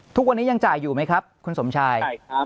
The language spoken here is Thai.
ทุกวันนี้ยังจ่ายอยู่ไหมครับคุณสมชาย